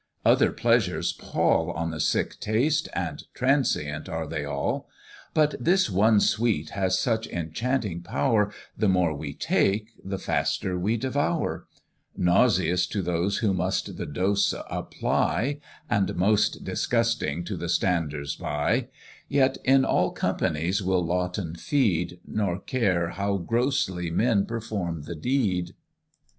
other pleasures pall On the sick taste, and transient are they all; But this one sweet has such enchanting power, The more we take, the faster we devour: Nauseous to those who must the dose apply, And most disgusting to the standers by; Yet in all companies will Laughton feed, Nor care how grossly men perform the deed.